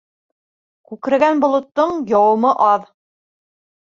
Күкрәгән болоттоң яуымы аҙ.